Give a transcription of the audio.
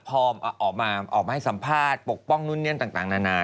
พอออกมาให้สัมภาษณ์ปกป้องต่างนานา